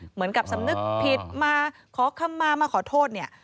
เหมือนกับสำนึกผิดมาขอคำมามาขอโทษเนี่ย